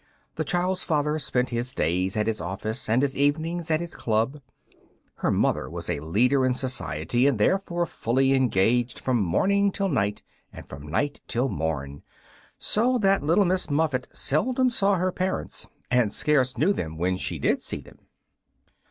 The child's father spent his days at his office and his evenings at his club; her mother was a leader in society, and therefore fully engaged from morning till night and from night till morn; so that Little Miss Muffet seldom saw her parents and scarce knew them when she did see them.